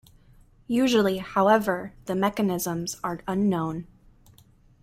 Usually, however, the mechanisms are unknown.